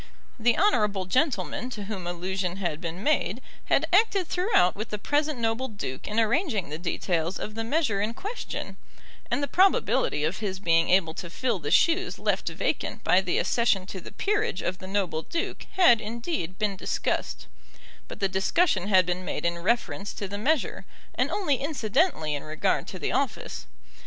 The honourable gentleman to whom allusion had been made had acted throughout with the present noble duke in arranging the details of the measure in question; and the probability of his being able to fill the shoes left vacant by the accession to the peerage of the noble duke had, indeed, been discussed; but the discussion had been made in reference to the measure, and only incidentally in regard to the office.